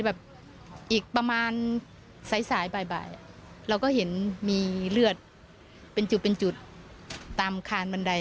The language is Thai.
แบบอีกประมาณสายสายบ่ายเราก็เห็นมีเลือดเป็นจุดเป็นจุดตามคานบันได